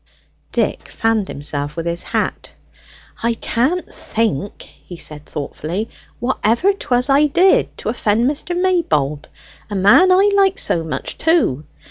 Dick fanned himself with his hat. "I can't think," he said thoughtfully, "whatever 'twas I did to offend Mr. Maybold, a man I like so much too.